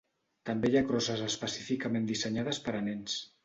També hi ha crosses específicament dissenyades per a nens.